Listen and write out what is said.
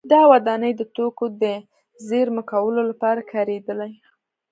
دا ودانۍ د توکو د زېرمه کولو لپاره کارېدلې